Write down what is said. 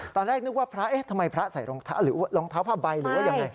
ตอนแรกนึกว่าทำไมพระใส่รองเท้าผ้าใบหรือว่าอย่างไร